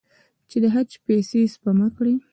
چې د حج پیسې سپما کړي.